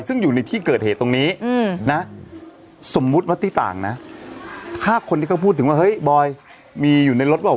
คุณพวกเขาถ่ายคลิปกันไว้นะ